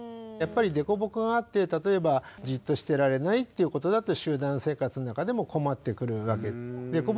やっぱり凸凹があって例えばじっとしてられないということだと集団生活の中でも困ってくるわけで。